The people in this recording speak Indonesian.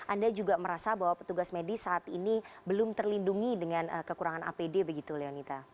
anda juga merasa bahwa petugas medis saat ini belum terlindungi dengan kekurangan apd begitu leonita